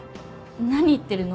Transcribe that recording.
何言ってるの？